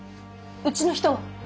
うちの人は。